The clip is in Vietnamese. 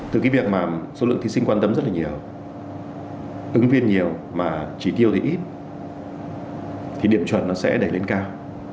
từ cái việc mà số lượng thí sinh quan tâm rất là nhiều ứng viên nhiều mà trí tiêu thì ít thì điểm chuẩn nó sẽ đẩy lên cao